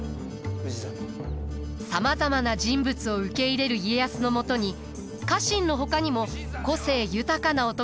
さまざまな人物を受け入れる家康のもとに家臣のほかにも個性豊かな男たちが集います。